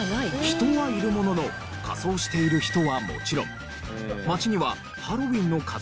人はいるものの仮装している人はもちろん街にはハロウィンの飾りは見当たらない。